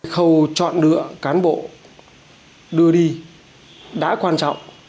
khâu chọn đựa cán bộ đưa đi đã quan trọng